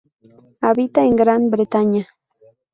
Habita en Gran Bretaña.